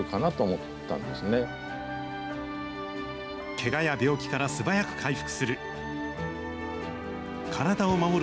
けがや病気から素早く回復する。